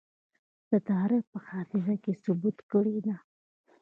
د تاريخ په حافظه کې ثبت کړې ده.